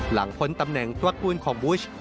หลังพ้นตำแหน่งตัวกลุ่นของบุช